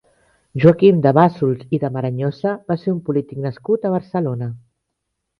Joaquim de Bassols i de Maranyosa va ser un polític nascut a Barcelona.